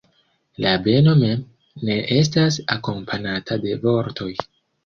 La beno mem ne estas akompanata de vortoj.